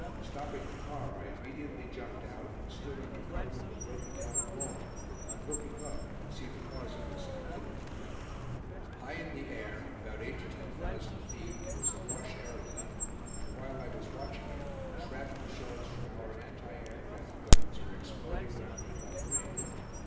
Stopping the car, I immediately jumped out, and stood under cover of a broken down wall, and looking up, could see the cause of this activity. [Illustration: TAKING SCENES IN DEVASTATED YPRES, MAY, 1916] High in the air, about eight to ten thousand feet, was a Bosche aeroplane, and while I was watching it shrapnel shells from our anti aircraft guns were exploding round it like rain.